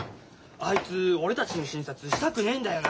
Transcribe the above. あいつ俺たちの診察したくねえんだよな。